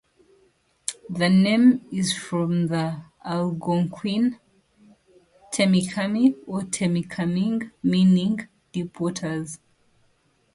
The name is from the Algonquin "Temikami" or "Temikaming", meaning "deep waters".